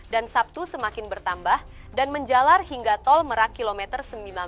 dan sabtu semakin bertambah dan menjalar hingga tol merak kilometer sembilan puluh